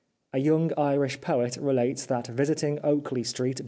A young Irish poet relates that visiting Oakley Street 366 f\iu» T;li.